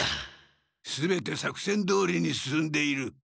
全て作戦どおりに進んでいる。